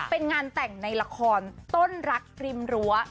เป็นงานแต่งในละครต้นรักริมรั้ว